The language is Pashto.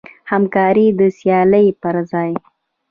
همکاري د سیالۍ پر ځای.